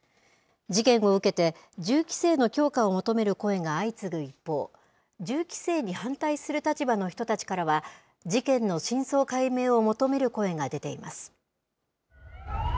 事件を受けて、銃規制の強化を求める声が相次ぐ一方、銃規制に反対する立場の人たちからは、事件の真相解明を求める声が出ています。